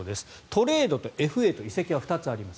トレードとＦＡと移籍は２つあります。